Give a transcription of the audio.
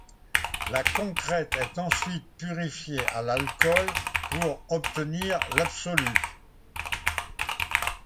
La concrète est ensuite purifiée à l'alcool pour obtenir l'absolue.